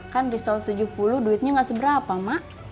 kan risos tujuh puluh duitnya enggak seberapa mak